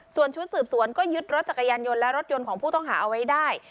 ส่วนชุดสืบสวนก็ยึดรถจักรยานยนต์และรถยนต์ของผู้ต้องหาเอาไว้ได้